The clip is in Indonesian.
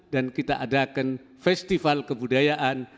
dan kita adakan festival kebudayaan